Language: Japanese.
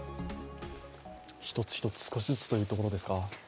１つ１つ、少しずつというところですか。